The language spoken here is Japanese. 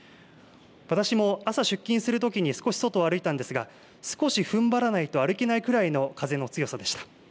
私も朝出勤するときに少し外を歩いたんですが少しふんばらないと歩けないくらいの風の強さでした。